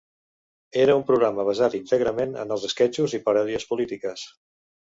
Era un programa basat íntegrament en els esquetxos i paròdies polítiques.